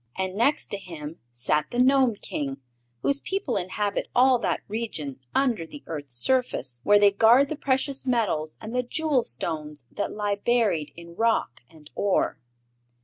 And next to him sat the Gnome King, whose people inhabit all that region under the earth's surface, where they guard the precious metals and the jewel stones that lie buried in rock and ore.